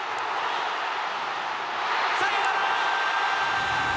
サヨナラー！